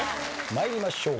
参りましょう。